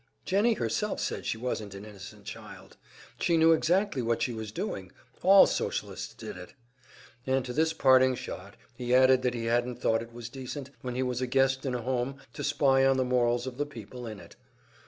"Jennie herself said she wasn't an innocent child, she knew exactly what she was doing all Socialists did it." And to this parting shot he added that he hadn't thought it was decent, when he was a guest in a home, to spy on the morals of the people in it.